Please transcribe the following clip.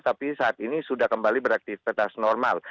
tapi saat ini sudah kembali beraktivitas normal